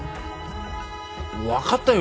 わかったよ。